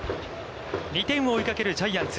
２点を追いかけるジャイアンツ。